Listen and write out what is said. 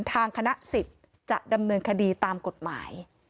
ทางคณะ๑๐จัดดำเนินคดีตามกฎหมาย